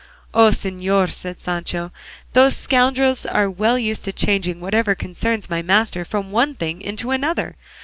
"Oh, señor," said Sancho, "those scoundrels are well used to changing whatever concerns my master from one thing into another.